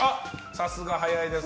さすが、早いです